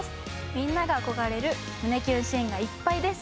みんなが憧れる胸キュンシーンがいっぱいです。